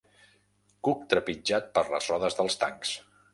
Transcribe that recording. Cuc trepitjat per les rodes dels tancs.